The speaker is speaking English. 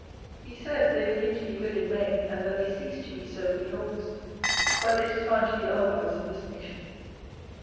He says, they begin to be good in May, and that they cease to be so in August: but it is found to be otherwise in this nation.